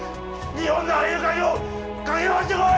日本の俳優界をかき回してこい！